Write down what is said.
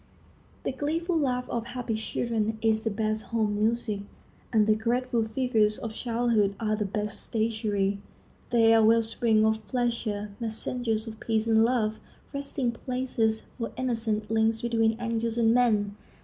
The gleeful laugh of happy children is the best home music, and the graceful figures of childhood are the best statuary. They are well springs of pleasure, messengers of peace and love, resting places for innocence, links between angels and men.